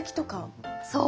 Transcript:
そう！